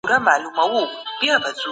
د دغي غونډې اجنډا څه وه؟